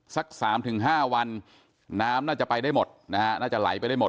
สัก๓๕วันน้ำน่าจะไปได้หมดนะฮะน่าจะไหลไปได้หมด